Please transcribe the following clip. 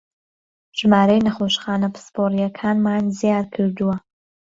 ژمارهی نهخۆشخانه پسپۆڕییهکامان زیادکردووه